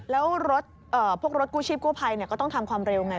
แล้วพวกรถกู้ชีพกู้ภัยก็ต้องทำความเร็วไง